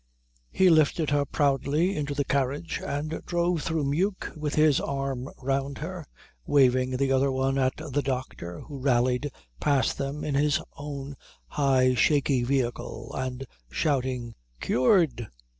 He lifted her proudly into the carriage and drove through Meuk with his arm round her, waving the other one at the doctor who rallied past them in his own high shaky vehicle and shouting, "Cured!"